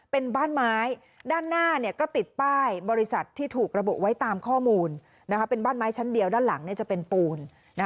เป็นบ้านไม้ด้านหน้าก็ติดป้ายบริษัทที่ถูกระบุไว้ตามข้อมูลเป็นบ้านไม้ชั้นเดียวด้านหลังจะเป็นปูน